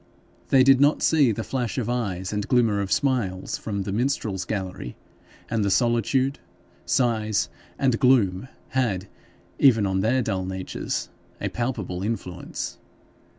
They did not see the flash of eyes and glimmer of smiles from the minstrel's gallery, and the solitude, size, and gloom had, even on their dull natures, a palpable influence.